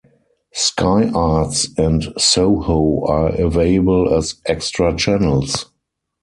Sky Arts and SoHo are available as extra channels.